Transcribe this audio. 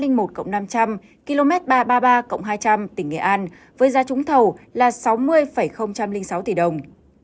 gói thầu tháng một nghìn ba trăm ba mươi ba hai trăm linh tỉnh nghệ an với giá trúng thầu là sáu mươi sáu tỷ đồng